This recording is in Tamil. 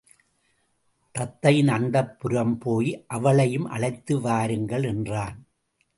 தத்தையின் அந்தப்புரம் போய் அவளையும் அழைத்து வாருங்கள்! என்றான்.